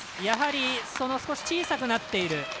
やはり、少し小さくなっている。